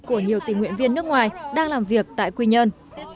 của nhiều tình nguyện viên nước ngoài đang làm việc tại quy nhơn